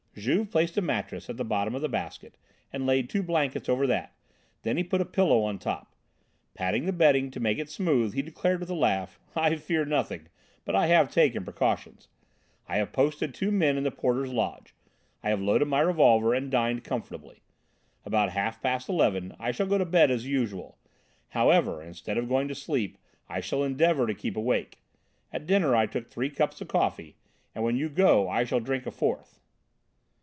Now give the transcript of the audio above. Juve placed a mattress at the bottom of the basket and laid two blankets over that, then he put a pillow on top. Patting the bedding to make it smooth, he declared with a laugh: "I fear nothing, but I have taken precautions. I have posted two men in the porter's lodge. I have loaded my revolver, and dined comfortably. About half past eleven I shall go to bed as usual. However, instead of going to sleep I shall endeavour to keep awake. At dinner I took three cups of coffee, and when you go I shall drink a fourth."